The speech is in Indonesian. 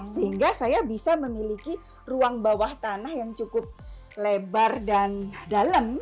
sehingga saya bisa memiliki ruang bawah tanah yang cukup lebar dan dalam